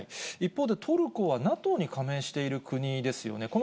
一方でトルコは、ＮＡＴＯに加盟している国ですよね。